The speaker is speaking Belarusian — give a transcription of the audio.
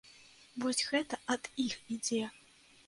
Вось гэта ад іх ідзе.